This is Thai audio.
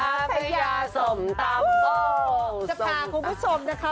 สัปดาห์คะคุณผู้ชมนะคะ